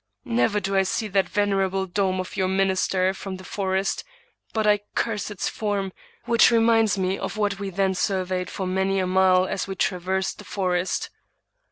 Never do I see that 149 English Mystery Stories Venerable dome of your minster from the forest, but I curse its form, which reminds me of what we then surveyed for inany a mile as we traversed the forest.